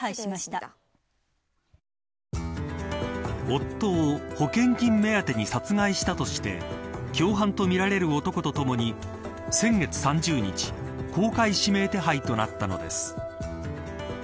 夫を保険金目当てに殺害したとして共犯とみられる男とともに先月３０日公開指名手配となったのです。